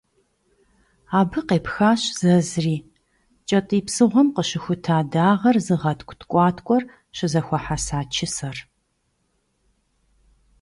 Абы къепхащ зэзри - кӏэтӏий псыгъуэм къыщыхута дагъэр зыгъэткӏу ткӏуаткӏуэр щызэхуэхьэса «чысэр».